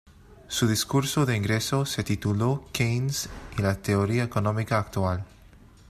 Su discurso de ingreso se tituló "Keynes y la teoría económica actual".